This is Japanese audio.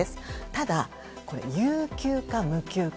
ただ、有給か無給か。